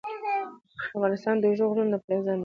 افغانستان د اوږده غرونه د پلوه ځانته ځانګړتیا لري.